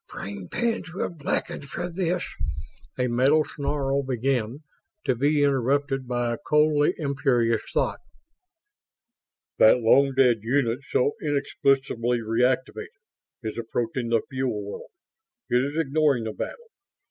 "Brain pans will blacken for this ..." a mental snarl began, to be interrupted by a coldly imperious thought. "That long dead unit, so inexplicably reactivated, is approaching the fuel world. It is ignoring the battle.